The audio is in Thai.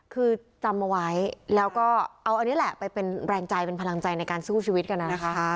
คือจำเอาไว้แล้วก็เอาอันนี้แหละไปเป็นแรงใจเป็นพลังใจในการสู้ชีวิตกันนะคะ